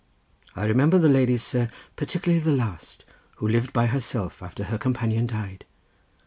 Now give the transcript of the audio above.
I remember the ladies, sir, particularly the last, who lived by herself after her companion died.